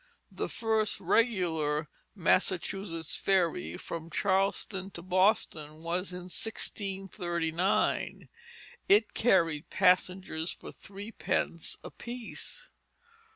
The first regular Massachusetts ferry from Charlestown to Boston was in 1639. It carried passengers for threepence apiece.